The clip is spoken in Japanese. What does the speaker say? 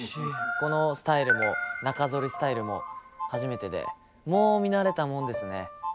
このスタイルも中剃りスタイルも初めてでもう見慣れたもんですね。